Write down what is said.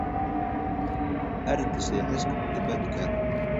Her tiştê hişk, dibe dûkel.